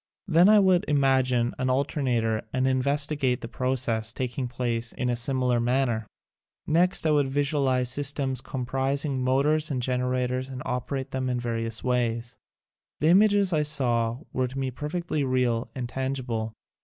Then I would imagine an alternator and investigate the processes tak ing place in a similar manner. Next I would visualize systems comprising motors and generators and operate them in various ways. The images I saw were to me per fectly real and tangible.